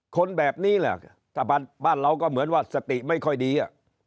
คนแบบนี้แหละถ้าบ้านเราก็เหมือนว่าสติไม่ค่อยดี